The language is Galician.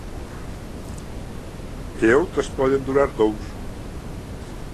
E outras poden durar dous.